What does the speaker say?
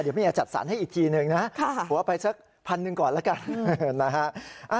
เดี๋ยวเมียจัดสรรให้อีกทีหนึ่งนะหัวไปสักพันหนึ่งก่อนแล้วกันนะฮะ